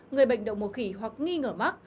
người bệnh động mùa khỉ hoặc nghi ngờ mắc